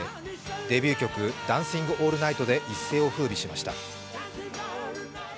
デビュー曲「ダンシング・オールナイト」で一世をふうびしました。